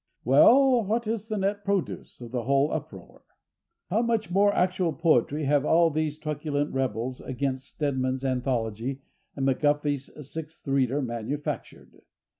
Well, what is the net produce of the whole uproar? How much actual poetry have all these truculent rebels against Stedman's Anthology and McGuffey's Sixth Reader manufactured?